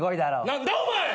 何だお前！